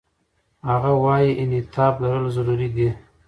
هغه وايي، انعطاف لرل ضروري دي.